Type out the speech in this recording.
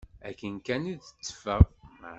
Akken kan i d-teffeɣ.